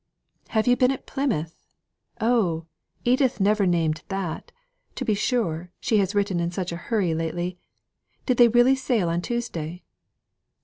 "Have you been at Plymouth? Oh! Edith never named that. To be sure, she has written in such a hurry lately. Did they really sail on Tuesday?"